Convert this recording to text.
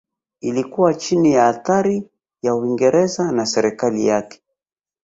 Ilikuwa chini ya athari ya Uingereza na serikali yake